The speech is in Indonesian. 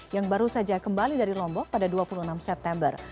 yang baru saja kembali dari lombok pada dua puluh enam september